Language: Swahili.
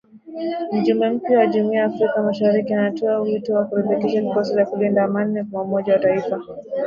Mjumbe mpya wa Jumuiya ya Afrika Mashariki anatoa wito wa kurekebishwa kikosi cha kulinda amani cha umoja wa mataifa.